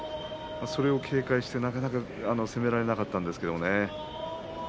それを警戒して、なかなか攻められなかったんですね。